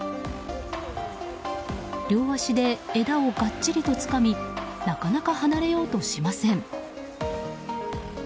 両足で枝をがっちりとつかみなかなか離れようとしません。